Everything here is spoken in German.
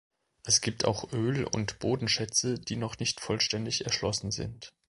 Es gibt auch Öl- und Bodenschätze, die noch nicht vollständig erschlossen sind.